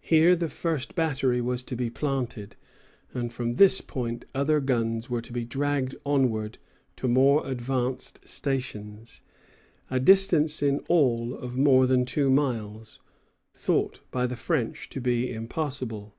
Here the first battery was to be planted; and from this point other guns were to be dragged onward to more advanced stations, a distance in all of more than two miles, thought by the French to be impassable.